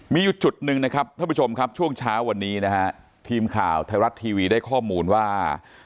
มีอยู่จุดหนึ่งนะครับท่านผู้ชมครับช่วงเช้าวันนี้นะฮะทีมข่าวไทยรัฐทีวีได้ข้อมูลว่า